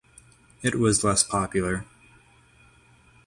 It was less popular.